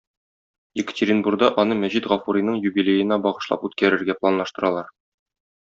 Екатеринбурда аны Мәҗит Гафуриның юбилеена багышлап үткәрергә планлаштыралар.